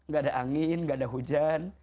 gak ada angin nggak ada hujan